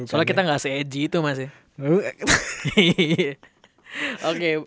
soalnya kita gak se edgy itu mas ya